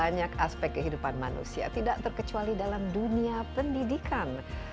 banyak aspek kehidupan manusia tidak terkecuali dalam dunia pendidikan